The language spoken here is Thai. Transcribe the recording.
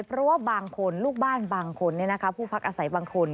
เพราะว่าบางคนลูกบ้านบางคนผู้พักอาศัยบางคน